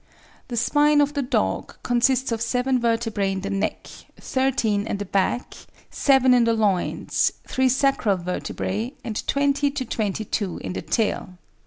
The spine of the dog consists of seven vertebrae in the neck, thirteen in the back, seven in the loins, three sacral vertebrae, and twenty to twenty two in the tail.